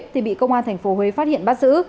thì bị công an thành phố huế phát hiện bắt giữ